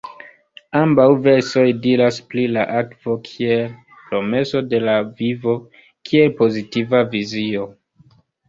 Ambaŭ versioj diras pri la akvo kiel „promeso de la vivo“ kiel pozitiva vizio.